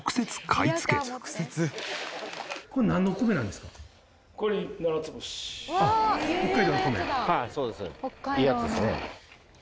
いいやつですね。